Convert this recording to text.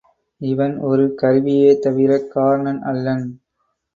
இவன் ஒரு கருவியே தவிரக் காரணன் அல்லன்.